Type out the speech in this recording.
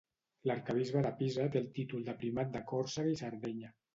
L'arquebisbe de Pisa té el títol de Primat de Còrsega i Sardenya.